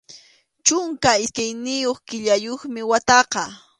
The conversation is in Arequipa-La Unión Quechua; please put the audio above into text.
Chunka iskayniyuq killayuqmi wataqa.